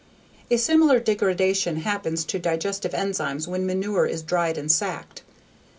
A similar degradation happens to digestive enzymes when manure is dried and sacked.